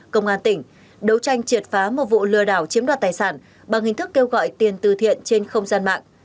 công an tỉnh đấu tranh triệt phá một vụ lừa đảo chiếm đoạt tài sản bằng hình thức kêu gọi tiền từ thiện trên không gian mạng